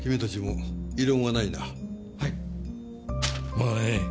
まあええ。